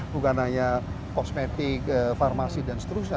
bukan hanya kosmetik farmasi dan seterusnya